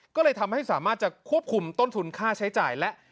ก็เลยทำให้สามารถจะควบคุมต้นทุนค่าใช้จ่ายและ